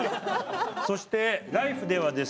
そして「ＬＩＦＥ！」ではですね